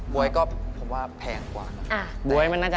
บ๊วยก็พูดมาแพงกว่าเนี่ย